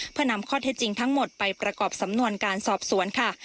เพื่อนำข้อเท็จจริงทั้งหมดไปประกอบสำนวนการสอบสวนค่ะ